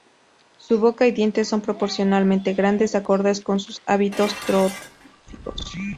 Su boca y dientes son proporcionalmente grandes, acordes con sus hábitos tróficos.